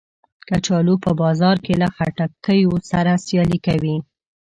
کچالو په بازار کې له خټکیو سره سیالي کوي